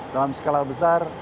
dalam skala besar